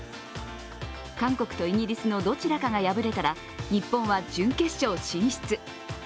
韓国とイギリスのどちらかが敗れたら、日本は準決勝進出。